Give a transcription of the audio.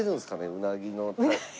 うなぎの。